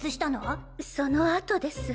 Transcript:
その後です。